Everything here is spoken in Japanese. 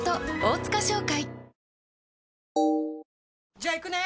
じゃあ行くね！